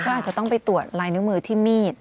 ก็อาจจะต้องไปตรวจลายนิ้วมือที่มีด